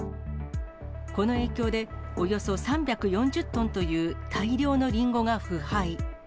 この影響で、およそ３４０トンという大量のりんごが腐敗。